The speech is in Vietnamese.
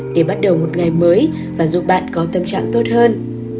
để bắt đầu một ngày mới và giúp bạn có tâm trạng tốt hơn